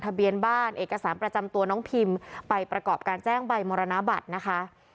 ทะเบียนบ้านเอกสารประจำตัวน้องพิมไปประกอบการแจ้งใบมรณบัตรนะคะ